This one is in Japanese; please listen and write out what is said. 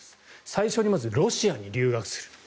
最初にロシアに留学する。